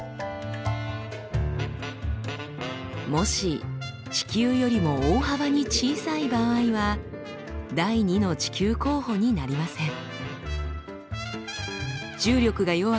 もし地球よりも大幅に小さい場合は第２の地球候補になりません。